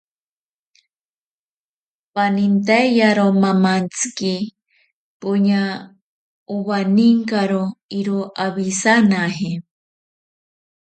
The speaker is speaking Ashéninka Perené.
Panintaiyaro mamantsiki poña owaninkaro iroo awisanaje.